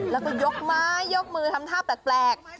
แล้วก็ยกมือทำท่าแปลก